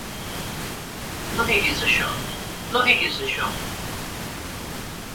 No diguis això, no diguis això.